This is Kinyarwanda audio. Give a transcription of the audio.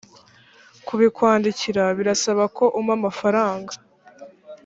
kubikwandikira birasaba ko umpa amafaranga